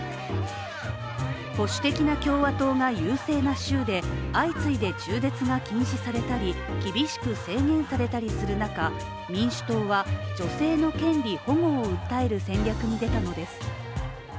保守的な共和党が優勢な州で相次いで中絶が禁止されたり、厳しく制限されたりする中民主党は女性の権利保護を訴える戦略に出たのです。